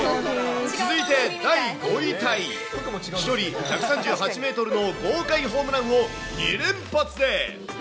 続いて第５位タイ、飛距離１３８メートルの豪快ホームランを２連発で。